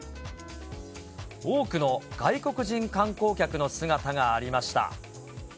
多くの外国人観光客の姿がありました。